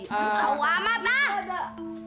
kau amat ah